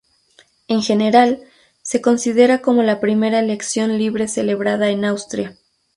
En general, se considera como la primera elección libre celebrada en Austria.